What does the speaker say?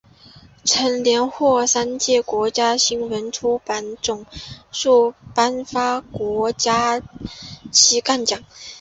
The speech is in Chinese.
曾连获三届国家新闻出版总署颁发的国家期刊奖。